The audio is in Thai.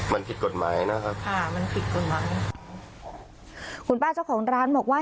มันผิดกฎหมายนะครับค่ะมันผิดกฎหมายคุณป้าเจ้าของร้านบอกว่า